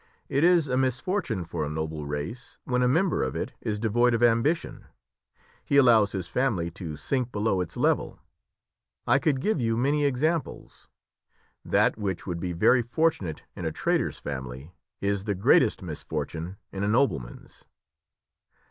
It is a misfortune for a noble race when a member of it is devoid of ambition; he allows his family to sink below its level. I could give you many examples. That which would be very fortunate in a trader's family is the greatest misfortune in a nobleman's."